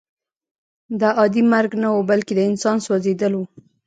دا عادي مرګ نه و بلکې د انسان سوځېدل وو